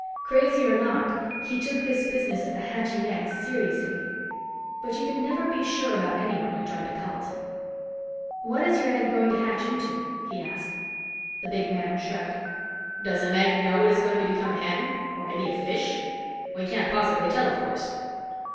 Crazy or not, he took this business of the hatching egg seriously. But you could never be sure about anyone who joined a cult. "What is your egg going to hatch into?" he asked. The big man shrugged. "Does an egg know it is going to become a hen or maybe a fish? We can't possibly tell, of course."